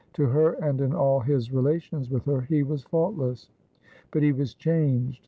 To her, and in all his relations with her, he was faultless : but he was changed.